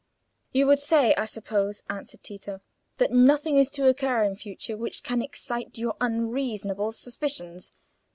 "You would say, I suppose," answered Tito, "that nothing is to occur in future which can excite your unreasonable suspicions.